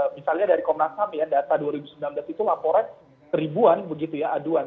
misalnya dari komnas ham ya data dua ribu sembilan belas itu laporan seribuan begitu ya aduan